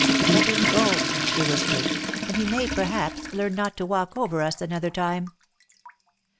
"Let him go!" she whispered, "and he may, perhaps, learn not to walk over us another time."